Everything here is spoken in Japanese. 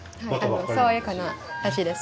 爽やかな味です。